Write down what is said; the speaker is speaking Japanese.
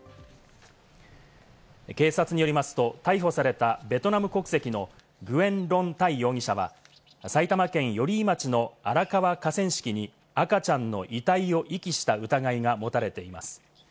警察によりますと、逮捕されたベトナム国籍のグエン・ロン・タイ容疑者は、埼玉県寄居町の荒川河川敷に赤ちゃんの遺体を遺棄した疑いが持たれています。